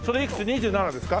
２７ですか？